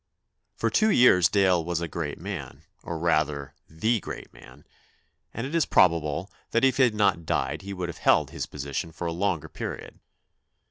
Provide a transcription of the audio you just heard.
For two years Dale was a great man, or rather the great man, and it is probable that if he had not died he would have held his posi tion for a longer period.